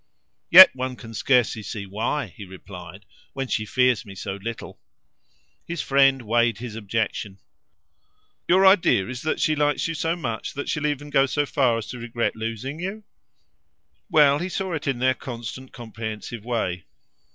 "Yet one can scarcely see why," he replied, "when she fears me so little." His friend weighed his objection. "Your idea is that she likes you so much that she'll even go so far as to regret losing you?" Well, he saw it in their constant comprehensive way.